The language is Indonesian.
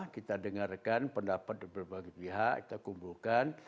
kita dengarkan pendapat dari berbagai pihak kita kumpulkan